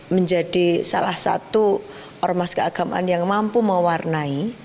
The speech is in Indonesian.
menjadi salah satu ormas keagamaan yang mampu mewarnai